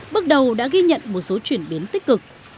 bước đầu đã ghi nhận một số chuyển biến tích cực